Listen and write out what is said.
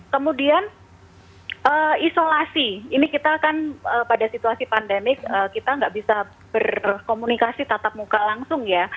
kemudian isolasi ini kita kan pada situasi pandemik kita nggak bisa berkomunikasi tatap muka langsung ya